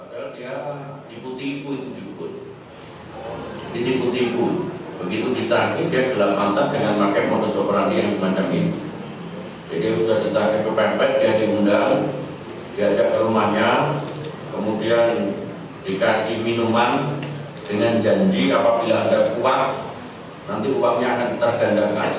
diajak ke rumahnya kemudian dikasih minuman dengan janji apabila ada uang nanti uangnya akan tergandakan